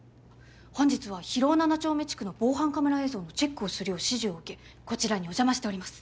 本日は広尾七丁目地区の防犯カメラ映像のチェックをするよう指示を受けこちらにお邪魔しております。